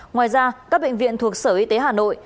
ngoài ra các bệnh viện thuộc sở y tế hà nội